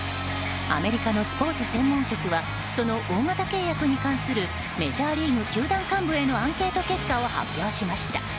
アメリカのスポーツ専門局はその大型契約に関するメジャーリーグ球団幹部へのアンケート結果を発表しました。